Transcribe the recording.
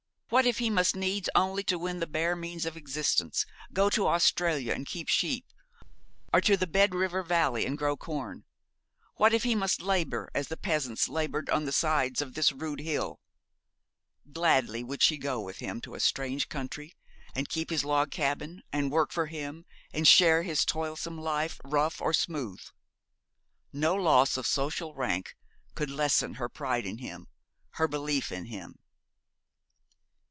What if he must needs, only to win the bare means of existence, go to Australia and keep sheep, or to the Bed River valley and grow corn? What if he must labour, as the peasants laboured on the sides of this rude hill? Gladly would she go with him to a strange country, and keep his log cabin, and work for him, and share his toilsome life, rough or smooth. No loss of social rank could lessen her pride in him, her belief in him.